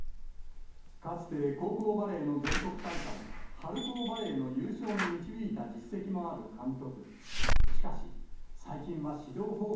かつて高校バレーの全国大会、春校バレーの優勝に導いた実績もある監督。